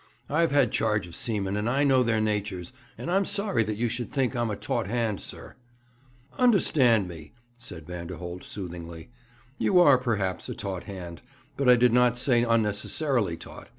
I've had charge of seamen, and I know their natures, and I'm sorry that you should think I'm a taut hand, sir.' 'Understand me,' said Vanderholt soothingly: 'you are, perhaps, a taut hand, but I do not say unnecessarily taut.